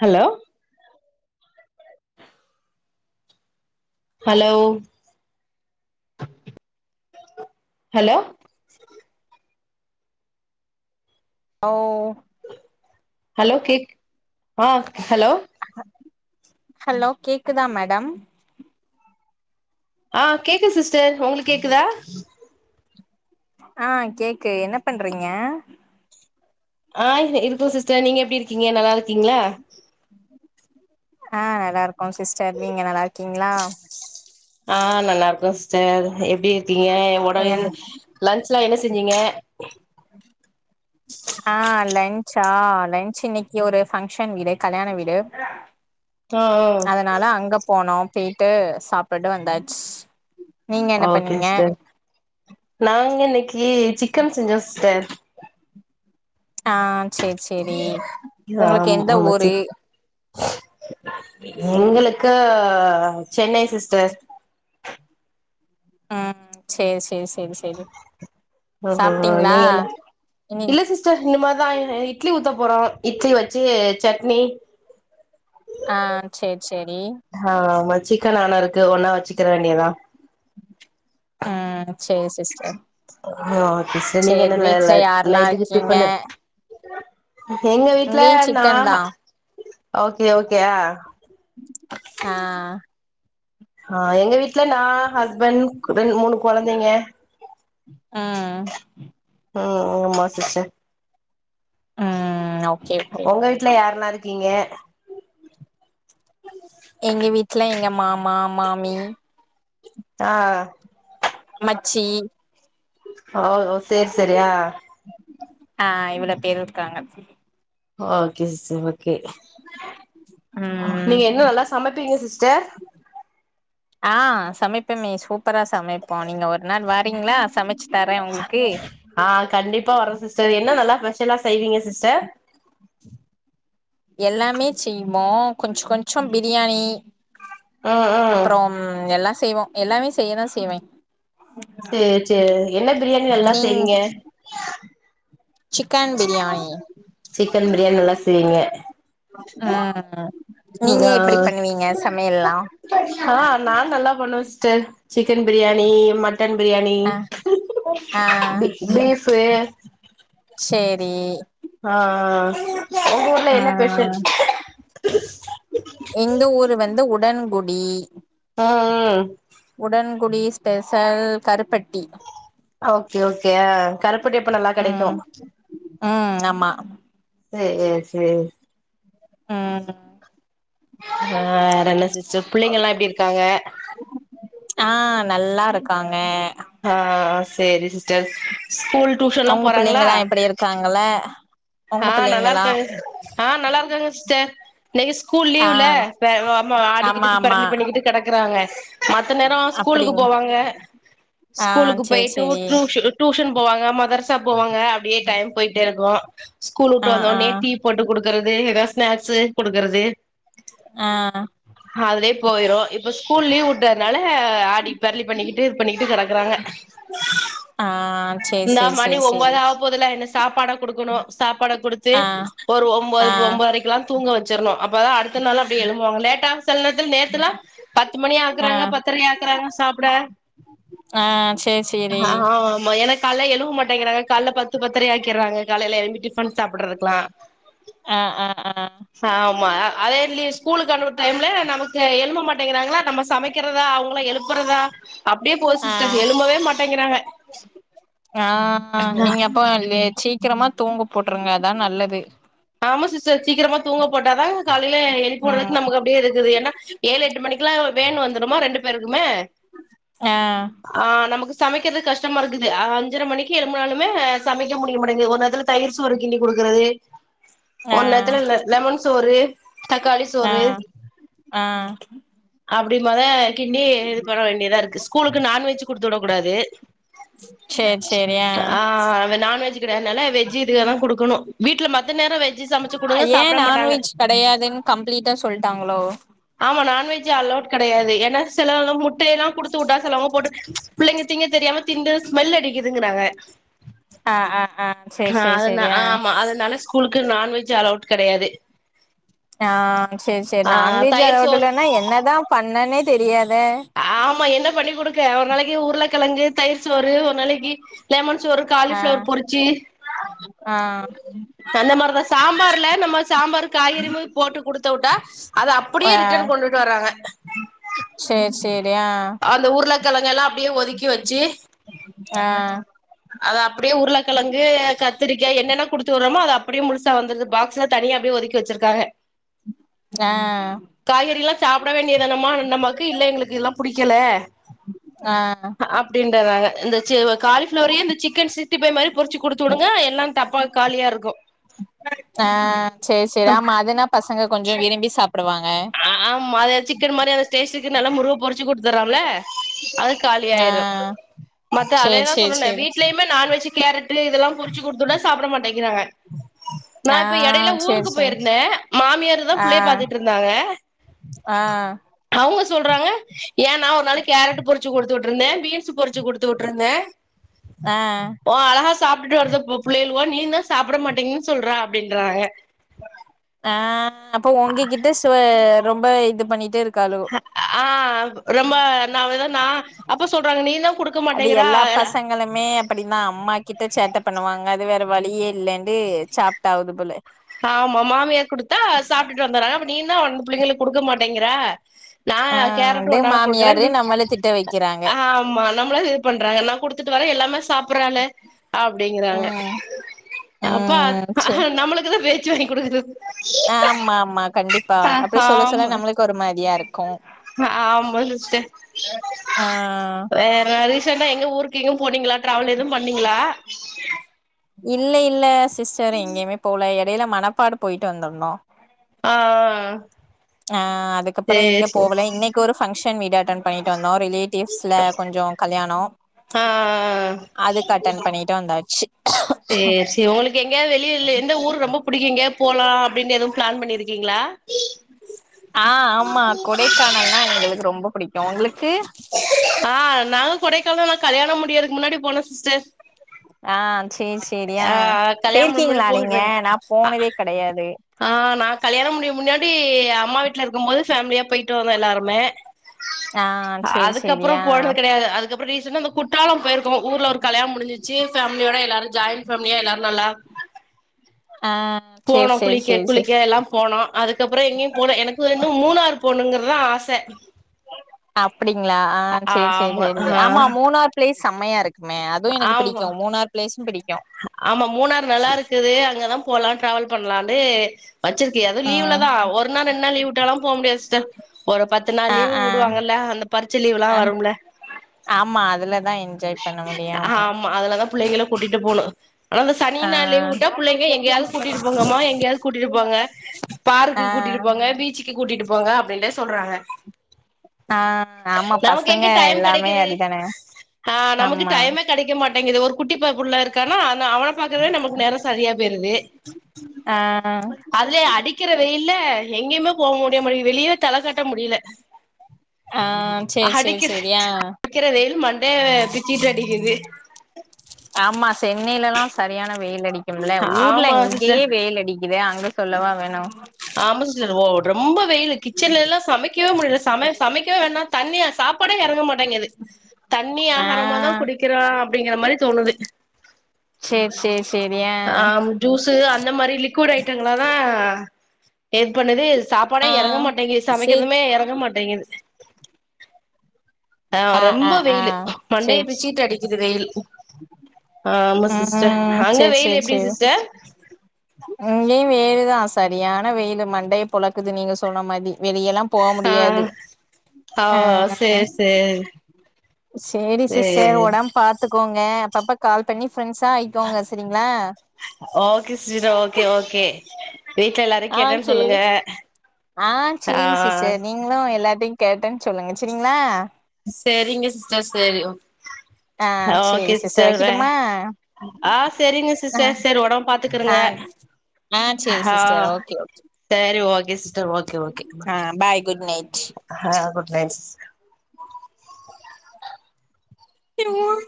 hello hello [inaudible] hello அ ஓ hello கேக் ஆ ஹலோ ஹலோ கேக்குதா மேடம் ஆ கேக்கு சிஸ்டர் ஒங்களுக் கேக்குதா ஆ கேக்கு என்ன பண்றீங்க ஆ இரு இருக்கோ சிஸ்டர் நீங்க எப்டி இருக்கீங்க நல்லாருக்கீங்ளா அ நல்லாருக்கோ சிஸ்டர் நீங்க நல்லாருக்கீங்ளா ஆ நல்லா இருக்கோ சிஸ்டர் எப்டி இருக்கீங்க ஒடல்லு என் லஞ்ச்லா என்ன செஞ்சிங்க ஆ லஞ்சா லஞ்ச் இன்னைக்கு ஒரு ஃபங்க்ஷன் வீடு கல்யாண வீடு ஆ அதனால அங்க போனோ பேய்ட்டு சாப்டுட்டு வந்தாச் நீங்க ஆ என்ன ஓகே பண்ணீங்க ஏ சிக்கன் செஞ்சோ சார் ஆ செர் செரி ஒங்களுக்கு ஆம் எந்த ஆமா ஊரு சிக் எங்களுக்கு சென்னை சிஸ்டர் ஆ செரி செரி செரி செரி ஓ ஹோ ஹோ நீ என்னதுக் இனி இல்ல சிஸ்டர் இந்த மார் லா இட்லி ஊத்த போறோ இட்லி வச்சி சட்னி ஆ செர் செரி ஆ ஆமா சிக்கன் ஆனா இருக்கு ஒன்னா வச்சுக்கிற வேண்டியதா ஆ சேர் சிஸ்டர் ஆ ஒகே சிஸ்டர் நீங்க சேரி என்னன்ல நை வீட்ல யாரெல்லா நைட்டுக்கு இருக்கீங்க டிப்பண்னு எங்க வீட்ல இங்கேயு நா சிக்கன் தா ஹா ஓகே ஓகே ஆ ஆ ஆ எங்க வீட்ல நா ஹஸ்பண் ரெண் மூனு கொழந்தைங்க ஆ ம் ம் ஆமா சிஸ்டர் ம் ஓகே ஓகே ஒங்க வீட்ல யார்லா இருக்கீங்க எங்க வீட்ல எங்க மாமா மாமி ஆ மச்சி ஓஹோ சேரி சேரி அ ஆ இவ்ளோ பேர்ருக்காங்க ஓகே சிஸ்டர் ஓகே ம் நீங்க என்ன நல்லா சமப்பீங்க சிஸ்டர் பெம்மே சூப்பரா சமைப்போ நீங்க ஒரு நாள் வாரீங்ளா சமச்சு தர ஒங்ளுக்கு ஆ கண்டிப்பா வரோ சிஸ்டர் என்ன நல்லா பெஷலா செய்வீங்க சிஸ்டர் எல்லாமே செய்வோ கொஞ்ச கொஞ்சம் பிரியாணி ம் ம் அப்பறம் எல்லா செய்வோ எல்லாமே செய்யதா செய்வே சேர் சேர் என்ன பிரியாணி நல்லா நீங் செய்வீங்க சிக்கன் பிரியாணி சிக்கன் பிரியாணி நல்லா செய்ங்க ஆ ஆ ஆ நா நல்லா பண்ணுவ sister chicken biryani mutton biryani ஆ ஆ பீ பீஃபு நீ ஆ ஆ ஆ உங்க ஊர்ல ஆ என்ன பெஷல் எங்க ஊரு வந்து உடன்குடி ஆ ஆ உடன்குடி ஸ்பெசல் கருப்பட்டி ஓகே ஓகே ஆ கருப்பட்டி அப்ப நல்லா கெடைக்கூ ஆ ஆமா செ எ சே ஆ ஆ வேறென்ன சிஸ்டர் பிள்ளைங்கல்லா எப்டிருக்காங்க ஆ நல்லாருக்காங்க ஆ சேரி சிஸ்டர் ஸ்கூல் டியூஷன்லா உங்க போறாங்ளா பிள்ளைங்கல்லா எப்டி இருக்காங்கல்ல உங்க ஆ பிள்ளைங்களா நல்லாருக்கங் ஆ நல்லாருக்கங்க ஸ்டர் இன்னைகு ஸ்கூல் ஆ லீவ்ல வே ஆமா ஆடிகிட்டு பெரலி பண்ணிகிட்டு கெடக்கறாங்க மத்த நேர ஸ்கூ கூலுக்கு அப்டிங் போவாங்க ஆ ஸ்கூலுக்கு சேரி போயிட்டு சேரி டூ டூஷன் போவாங்க மதர்ஸா போவாங்க அப்டியே டைம் போயிட்டேர்க்கூ கூல் வுட்டு ஆ ஆ வந்தோன்னே டீ போட்டு குடுக்கறது ஏதா ஸ்நாக்ஸு குடுக்கறது ஆ அதுலே போயிரு இப்ப ஸ்கூல் லீவ் வுட்டதுனால ஆடி பெரளி பண்ணிகிட்டு இது பண்ணிகிட்டு கெடக்கறாங்க ஆ சேரி இந்தா சேரி மணி சேரி சேரி ஒம்போது ஆவ போதுல்ல என சாப்பாட குடுக்கணு சாப்பாட குடுத்து ஆ ஒரு ஒம்போது ஆ போ ஒம்போரைக்குலா தூங்க வச்சிரணு அப்பதா அடுத்தநாளு அப்டியே எழும்புவாங்க லேட்டா ஸ் சில நேத்துல நேத்துலா பத்து ஆ மணியாக்கறாங்க பத்தரையாக்கறாங்க சாப்ட ஆ சேரி சேரி ஹா ஆமா எனக் கால்ல எழும்ப மாட்டைங்கிறாங்க கால்ல பத்து பத்தரையாக்கிர்றாங்க காலைல எழும்பி டிஃபன் சாப்பிட்றதுக்லா அ அ அ ஆமா அதே லீ ஸ்கூலுக்கு அனுப்ப டைம்ல நமக்கு எழும்ப மாட்டேங்கிறாங்களா நம்ம சமைக் க்றதா அவுங்கள எழுப்புறதா அப்டியே போது ஆ சிஸ்டர் எழும்பவே மாட்டேங்கிறாங்க ஆ நீங்க அப்போ லே சீக்கிரமா தூங்க போட்ருங்க அதா நல்லது ஆமா சிஸ்டர் சீக்கிரமா தூங்க போட்டாதா காலைல ம் எழிப்புறதுக் நமக்கு அப்டியே இருக்குது ஏனா ஏழு எட்டு மணிக்லா வேன் வந்துருமா ரெண்டு பேருக்குமே ஆ ஆ நமக்கு சமைக்கிறது கஷ்டமாருக்குது அஞ்சர மணிக்கு எழும்புனாலுமே சமைக்க முடிய மாட்டேங்குது ஒரு நேரத்துல தயிர் சோறு கிண்டி குடு க்றது ஆ ஒன் நேத்துல லெ லெமன் சோறு தக்காளி ஆ சோறு ஆ அப்டிமாதா கிண்டி இது பண்ண வேண்டியதாருக்கு ஸ்கூலுக்கு நான்வெஜூ குடுத்துவுடக் கூடாது சேரி சேரி ஆ இந்த நான்வெஜ் கெடையாதுனால வெஜ்ஜூ இதுகதா குடுக்கணு வீட்ல மத்த நேர வெஜ்ஜு சமச்சு குடுங்க ஏ சாப்ட மாட்டாங்க நான்வெஜ் கெடையாதுன்னு கம்ப்ளீட்டா சொல்ட்டாங்களோ ஆமா நான்வெஜ்ஜூ அலோட் கெடையாது ஏனா சிலவலா முட்டையலா குடுத்துவுட்டா சிலவங்க போட்டு பிள்ளைங்க திங்க தெரியாம திண்டு ஸ்மெல் அடிக்குதுங்கிறாங்க ஆ ஆ ஆ சேரி ஆ சேரி அதனா சேரி ஆ ஆமா அதனால ஸ்க் நான்வெஜ் அலோவ்ட் கெடையாது ஆ செர் செர் ஆ நான்வெஜ் தயிர் சோறு அலோடிலன்னா என்னதா பண்ணனே தெரியாத் வே ஆமா என்ன பண்ணி குடுக்க ஒரு நாளைக்கி உருளக்கெழங்கு தயிர் சோறு ஒரு நாளைக்கி லெமன் ஒரு ஆ காலிஃப்ளவர் பொரிச்சு ஆ அந்த மாரிதா சாம்பார்ல நம்ம சாம்பார் காய்கறிமே போட்டு கொடுத்து விட்டா அது அப்படியே ரிட்டர்ன் கொண்டுட்டு வர்றாங்க சேர் சே அந்த உருளைக்கிழங்கல்லா அப்டியே ஒதுக்கி வச்சு ஆ அத அப்டியே உருளக்கிழங்கு கத்திரிக்கா என்னென்ன குடுத்து விட்றோமோ அத அ ப்படியு முழுசா வந்துருது பாக்ஸ்ல தனியா அப்டியே ஒதுக்கி வச்சிருக்காங்க ஆ சாப்பிட வேண்டியதானம்மா நம்மாக்கு இல்ல எங்களுக்கு இதெல்லா புடிக்கல ஆ அப்டின்றதாங்க இந்த காலிஃப்ளோரயு இந்த சிக்கன் சிக்ஸ்டி பைவ் மாரி பொரிச்சு குடுத்து விடுங்க எல்லாம் தப்பா காலியா இருக்கு ஆ செரி செரி ஆமா அதுனா பசங்க கொஞ்சோ விரும்பி சாப் ஆமா அத சிக்கன் மாரி அந்த ஸ்டேஷுக்கு நல்லா முருக பொரி ச்சு குடுத்துறன்ல அது ஆ காலியாயிரு மத்த சேரி அதேதா சேரி சொன்னனே சேரி வீ்ட்லயுமே நான்வெஜ்ஜீ கேரட்டு இதெல்லா பொரிச்சு குடுத்துட்டா சாப்ட மாட்டேங்கிறாங்க நா ஆ இப்ப எடைல சேரி ஊருக்கு சேரி போயிருந்தே மாமியார்தா ஆ புள்ளைய பாத்துட்டு இருந் ஆ அவுங்க சொல்றாங்க ஏ நா ஒரு நாள் கேரட்டு பொரிச்சு குடுத்துவுட்டுருந்தே பீன்ஸ் பொரிச்சு குடுத்துவுட்டுருந்தே ஆ ஓ அழகா சாப்ட்டுட்டு வருது இப்ப புள்ளை துவோ நீன்தா சாப்ட மாட்டீங்கிது சொல்ற அப்டின்றாங்க ஆ அப்போ உங்ககிட்ட சொ ரொம்ப இது பண்ணிட்டே இருக் ஹ ஆ ரொம்ப நா வேற நா அப்பா சொல்றாங்க நீதா அது எல்லா பசங்களுமே அப்டிதா அம்மா கிட்ட சேட்ட பண்ணுவாங்க அது வேற வழியே இல்லண்டு சாப்டாவுது போல ஆமா மாமியார் குடுத்தா சாப்ட்டுட்டு வந்துறாங்க அப்ப நீதா வந்து புள்ளைங்களுக் குடுக்க மாட்டேங்கிற நா ஆ கேரட்டு ஒரு அப்டியே நாளு குடுக்குறே மாமியாரு பின்ஸ் நம்மள திட்ட வைக்கிறாங்க ஆமா நம்மள இது பண்றாங்க நா குடுத்துட்டு வரே எல்லாமே சாப்ட்ரானே அப்டிங்குறாங்க ம் அப்ப ம் அ சேரி நம்மளுக் பேச்சு வாங்கி குடுக்குறது ஆமா ஆமா அ ஆமா சரியா இருக்கு ஹாமா சிஸ்டர் ஆ வேற அரிஸ் ரீசென்ட்டா எங்க ஊருக்கு எங்கும் போனீங்களா டிராவல் எதும் பண்ணீங்களா இல்ல இல்ல சிஸ்டர் எங்கேயுமே போல எடைல மனப்பாடு போயிட்டு வந்துருந்தோ ஆ ஆ அதுக்கப்புற சேரி இங்க சேரி போவல இன்னைக்கு ஒரு ஃபங்க்ஷன் வீடு அட்டென் பண்ணிட்டு வந் ரிலேட்டிவ்ஸ்ல கொஞ்சோ கல்யாணோ ஆ அதுக்கு அட்டன் பண்ணிட்டு வந்தாச்சு சேரி சேரி உங்களுக்கு எங்கயா வெளிய இல் எந்த ஊரு ரொம்ப புடிக்கு எங்கயா போலா அப்டின்னு எதுவு பிளான் பண்ணிருக்கீங்களா ஆ ஆமா கொடைக்கானல்னா எங்களுக்கு ரொம்ப பிடிக்கு உங்களுக்கு ஆ நாங்க கொடைக்கல்லா கல்யாணம் முடியருக்கு முன்னாடி போனோ சிஸ்டர் ஆ சேரி சேரி அ ஆ கல்யாணம் முன்னாடி போயிருக்கீங்களா நீங்க போயிட்டு நா போனதே கெடையாது ஆ நா கல்யாணம் முடியும் முன்னாடி அம்மா வீட்ல இருக்கும்போது ஃபேமிலியா போயிட்டு வந்தோ எல்லாருமே ஆ சேரி சேரி அதுக்கப்புற ஆ போனது கெடையாது அதுக்கப்புற ரீசெண்டா அந்த குற்றாலம் போயிருக்கோ ஊர்ல ஒரு கல்யாண முடிஞ்சுச்சு ஃபேமியோட எல்லாரு ஜாயின் ஃபேமிலியா எல்லாரு நல்லா ஆ சேரி போனோ சேரி குளிக்க சேரி சேரி குளிக்க எல்லா போனோ அதுக்கப்புற எங்கயும் போனு எனக்கு இன்னு மூணாறு போணுங்கற வ ஆச அப்டிங்ளா ஆ சேரி சேரி ஆமா சேரிங்க ஆ ஆமா மூணார் ப்ளேஸ் செம்மையா இருக் குனு அதுவு எனக்கு ஆமா பிடிக்கு மூணாறு பிளேஸு பிடிக் ஆமா மூணாறு நல்லா இருக்குது அங்கதா போலா ட்ராவல் பண்லானு வச்சிருக்கு எதோ லீவுல ம் லதா ஒரு நாள் ரெண்ட் நாள் லீவு விட்டாலா போ முடியாது சிஸ்டர் சோ ஒரு பத்து நாள் ஆ லீவு ஆ விடுவாங்கல்ல அந்த பறிச்ச லீவுலா ஆ வரும்ல ஆமா அதுலதா என்ஜாய் பண்ண முடியு ஆமா புள்ளைங்கள கூட்டிட்டு போணு அந்த சனி ஆ ஞாயிற் லீவு விட்டா புள்ளைங்க எங்கேயாது கூட்டிட்டு போங்கம்மா எங்கயாது கூட்டிட்டு போங்க பார்க்கு ஆ கூட்டிட் ட்டு போங்க பீச்சுக்கு கூட்டிட்டு போங்க அப்டின்ட்டே சொல்றாங்க ஆ ஆமா நமக்கு பசங்க எங்க டைம் எல்லாமே கெடைக்குது அப்டிதானே ஆ நமக்கு ஆமா டைமே கெடைக்க மாட்டேங்குது ஒரு குட்டி ப புள்ள இருக்கானா நா அவன பாக்கவே நமக்கு நேர சரியா போய்ருது ஆ அதுலே அடிக்கிற வெயில்ல இதுல எங்கேயுமே போக முடிய முடியுது வெளிய தல காட்ட முடிய்ல ஆ சேரி சேரி அடிக்கிது சேரி ஆ அடிக்கிற வெயில் மண்டைய பிச்சுகிட்டு அடிக்குது [inaudible] ஆமா சென்னைலலா சரியான வெயில் அடிக்கும்ல ஊர்ல ஆமா சிஸ்டர் இங்கயே வெயில் அடிக்குது அங்க சொல்லவா வேணு ஆமா சிஸ்டர் ஓ ரொம்ப வெயிலு கிச்சன்லேலா சமைக்கவே முடிய்ல சமையல் சமைக்கவே வேணா தண்ணியா சாப் ப்பாடே எறங்க மாட்டேங்குது தண்ணி ஆ ஆகாரமா தா குடிக்கிறோ அப்டிங்கிற மாரி தோணுது [inaudible] சேரி சேரி சேரி ஆ ஆம் ஜூஸு அந்த மாரி லிக்விட் ஐட்டங்களாதா ஏற்கனவே சாப்பாடே ஆ எறங்க மாட்டேங்குது சேரி சமைக்கறதுமே எறங்க மாட் டேங்குது ஆ ஆ ரொம்ப ஆ வெயிலு மண்டைய சேரி பிச்சுகிட்டு அடிக்குது வெயில் ஆ ஆமா சிஸ்டர் ம் அங்க சேரி வெயில் சேரி எப்படி சேரி சிஸ்டர் இங்கயு வெயிலுதா சரியான வெயிலு மண்டைய பொழக்குது நீங்க சொன்ன மாதி வெளியலா போக ஆ முடியாது ஆ ஆ சேரி சேரி சேரி சிஸ்டர் சேரி ஒடம் பாத்துக்கோங்க அ அப்பப்ப கால் பண்ணி ஃப்ரெண்ட்ஸா ஆயிக்கோங்க செரிங்ளா ஓகே சிஸ்டர் ஓகே ஓகே வீட்ல எல்லாரையு ஆ கேட்டேன்னு சேரி சொல்லுங்க ஆ ஆ சேரி சிஸ்டர் நீங்ளு எல்லார்டையு கேட்டேன் சொல்லுங்க செரிங்ளா செரிங்க சிஸ்டர் செரி ஓ ஆ சேரி சிஸ்டர் வக்கெட்டுமா ஆ செரிங்க சிஸ்டர் செரி ஒடம்ப பாத்துக்குறுங்க ஆ ஆ சேரி ஆ சிஸ்டர் ஓகே ஓகே சேரி ஓகே சிஸ்டர் ஓகே ஓகே ம் ஆ பாய் குட் நைட் ஆ குட் நைட் சிஸ் தெரியுமா